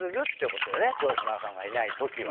城島さんがいない時は。